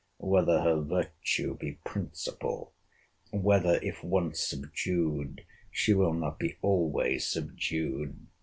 Whether her virtue be principle? Whether, if once subdued, she will not be always subdued?